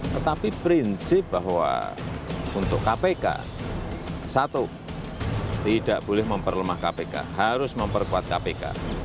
tetapi prinsip bahwa untuk kpk satu tidak boleh memperlemah kpk harus memperkuat kpk